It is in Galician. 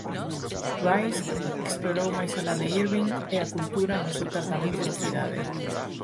Rice explorou máis alá de Irving e a cultura no seu tratamento da cidade.